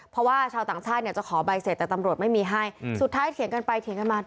เพราะว่าชาวต่างชาติเนี่ยจะขอใบเสร็จแต่ตำรวจไม่มีให้สุดท้ายเถียงกันไปเถียงกันมา